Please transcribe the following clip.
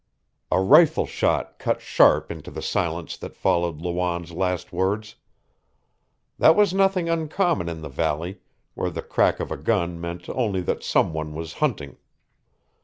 A rifle shot cut sharp into the silence that followed Lawanne's last words. That was nothing uncommon in the valley, where the crack of a gun meant only that some one was hunting.